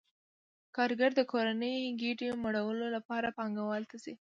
کارګر د کورنۍ ګېډې مړولو لپاره پانګوال ته ځي